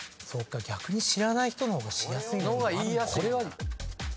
逆に知らない人の方がしやすい部分もあるのか。